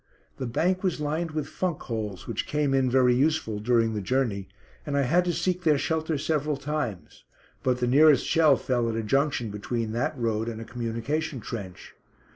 The bank was lined with funk holes, which came in very useful during the journey, and I had to seek their shelter several times, but the nearest shell fell at a junction between that road and a communication trench.